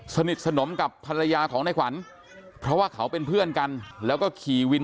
สนิทสนมกับภรรยาของในขวัญเพราะว่าเขาเป็นเพื่อนกันแล้วก็ขี่วิน